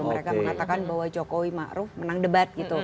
mereka mengatakan bahwa jokowi maruf menang debat gitu